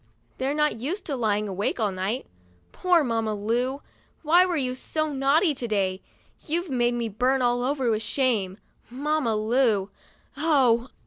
They're not used to lying awake all night. Poor Mamma Lu ! Why were you so naughty to day ? You've made me burn all over with shame, Mamma Lu. Oh